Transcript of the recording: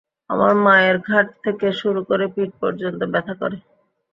আমার মায়ের ঘাড় থেকে শুরু করে পিঠ পর্যন্ত ব্যথা করে।